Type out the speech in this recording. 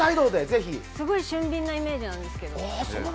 すごい俊敏なイメージなんですが。